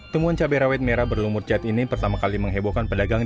temuan cabai rawit merah berlumur cat ini pertama kali menghebohkan pedagang